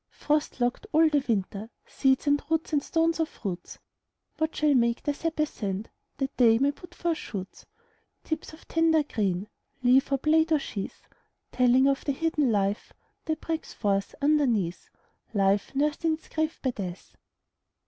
Frost locked all the winter, Seeds, and roots, and stones of fruits, What shall make their sap ascend That they may put forth shoots? Tips of tender green, Leaf, or blade, or sheath; Telling of the hidden life That breaks forth underneath, Life nursed in its grave by Death.